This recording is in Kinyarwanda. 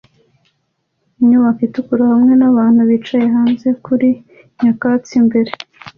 Inyubako itukura hamwe n'abantu bicaye hanze kuri nyakatsi imbere